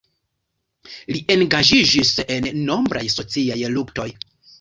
Li engaĝiĝis en nombraj sociaj luktoj.